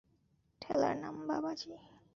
ঠেলার নাম বাবাজি।